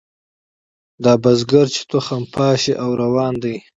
دا دهقان چي تخم پاشي او روان دی